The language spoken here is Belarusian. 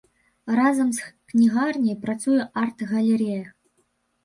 Разам з кнігарняй працуе арт-галерэя.